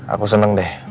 aku seneng deh